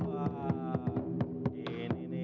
jalankan balik aja